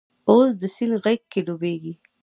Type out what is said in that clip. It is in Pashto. اوس د سیند غیږ کې ډوبیږې